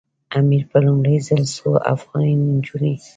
امیر په لومړي ځل څو افغاني نجونې.